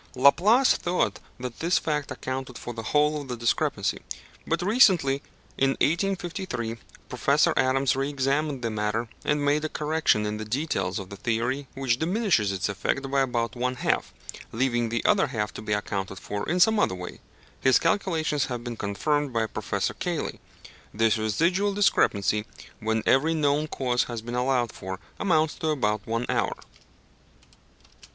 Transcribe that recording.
Laplace thought that this fact accounted for the whole of the discrepancy; but recently, in 1853, Professor Adams re examined the matter, and made a correction in the details of the theory which diminishes its effect by about one half, leaving the other half to be accounted for in some other way. His calculations have been confirmed by Professor Cayley. This residual discrepancy, when every known cause has been allowed for, amounts to about one hour.